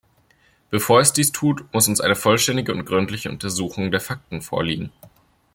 Bevor es dies tut, muss uns eine vollständige und gründliche Untersuchung der Fakten vorliegen.